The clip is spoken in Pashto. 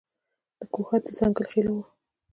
د کوهاټ د ځنګل خېلو و.